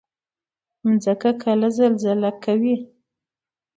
مځکه کله زلزله کوي.